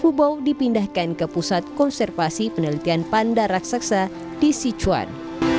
kubau dipindahkan ke pusat konservasi penelitian panda raksasa di sichuan